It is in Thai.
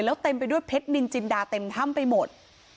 แล้วเต็มไปด้วยเพชรนินจินดาเต็มถ้ำไปหมด